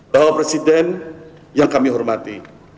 bapak presiden yang kami hormati